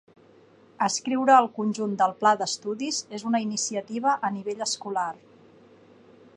Escriure al conjunt del pla d'estudis és una iniciativa a nivell escolar.